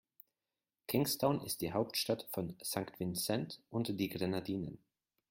Kingstown ist die Hauptstadt von St. Vincent und die Grenadinen.